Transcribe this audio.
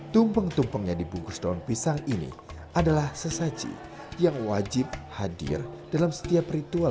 tumpeng tumpeng yang dibungkus daun pisang ini adalah sesaji yang wajib hadir dalam setiap ritual